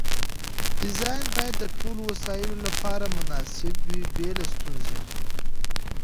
ډیزاین باید د ټولو وسایلو لپاره مناسب وي بې له ستونزې.